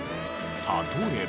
例えば。